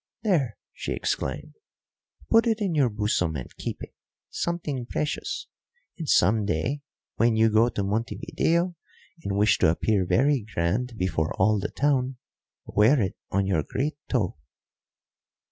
"There," she exclaimed, "put it in your bosom and keep it something precious! And some day when you go to Montevideo, and wish to appear very grand before all the town, wear it on your great toe."